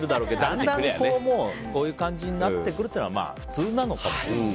だんだん、こういう感じになってくるというのが普通なのかもしれない。